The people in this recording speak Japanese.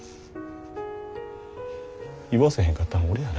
言わせへんかったん俺やな。